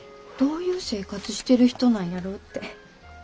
どういう生活してる人なんやろって。